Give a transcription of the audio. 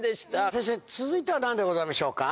先生続いては何でございましょうか？